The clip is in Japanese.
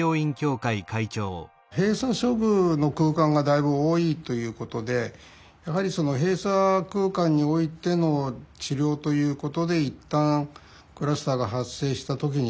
閉鎖処遇の空間がだいぶ多いということでやはりその閉鎖空間においての治療ということで一旦クラスターが発生した時にですね